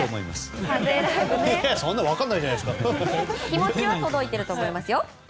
気持ちは届いていると思いますよ。